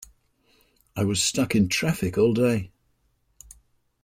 I was stuck in traffic all day!